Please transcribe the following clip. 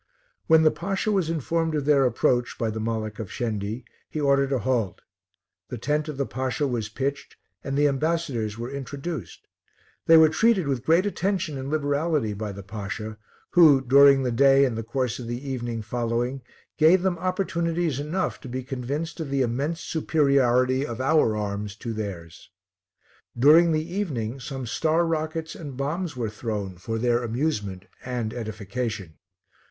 When the Pasha was informed of their approach by the Malek of Shendi, he ordered a halt. The tent of the Pasha was pitched, and the ambassadors were introduced. They were treated with great attention and liberality by the Pasha, who, during the day and the course of the evening following, gave them opportunities enough to be convinced of the immense superiority of our arms to theirs. During the evening, some star rockets and bombs were thrown for their amusement and edification.